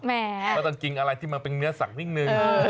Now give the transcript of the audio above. อาจารย์กินอะไรที่มันเป็นเนื้อสักนิ่งนึง